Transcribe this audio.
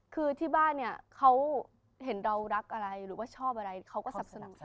คือที่บ้านเนี่ยเขาเห็นเรารักอะไรหรือว่าชอบอะไรเขาก็สับสนุ